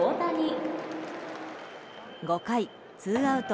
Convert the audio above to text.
５回、ツーアウト